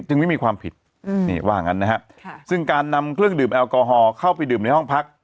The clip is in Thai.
ไม่มีความผิดนี่ว่างั้นนะฮะซึ่งการนำเครื่องดื่มแอลกอฮอล์เข้าไปดื่มในห้องพัก